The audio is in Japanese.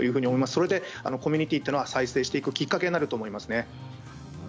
それでコミュニティーが再生していくきっかけになると思いますね。